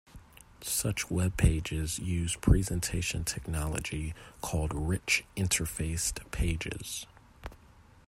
Such web pages use presentation technology called rich interfaced pages.